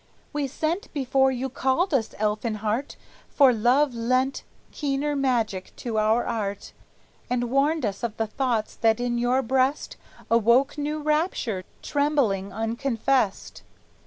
"We sent before you called us, Elfinhart, For love lent keener magic to our art, And warned us of the thoughts that in your breast Awoke new rapture, trembling unconfessed."